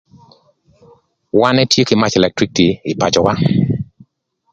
Wan etye kï mac elektriciti ï pacöwa.